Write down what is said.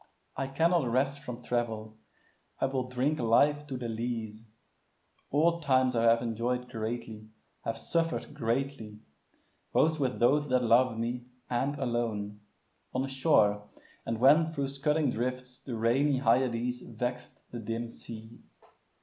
I cannot rest from travel; I will drink Life to the lees. All times I have enjoy'd Greatly, have suffer'd greatly, both with those That loved me, and alone; on shore, and when Thro' scudding drifts the rainy Hyades Vext the dim sea.